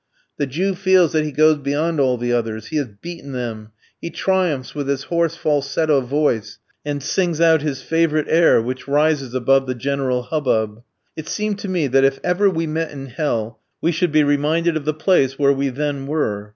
The Jew feels that he goes beyond all the others, he has beaten them; he triumphs with his hoarse falsetto voice, and sings out his favourite air which rises above the general hubbub. It seemed to me that if ever we met in hell we should be reminded of the place where we then were.